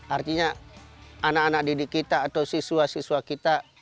artinya anak anak didik kita atau siswa siswa kita